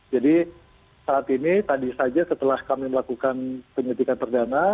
jadi saat ini tadi saja setelah kami melakukan penyelidikan perdana